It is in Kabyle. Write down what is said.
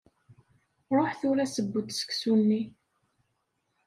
Ruḥ tura seww-d seksu-nni.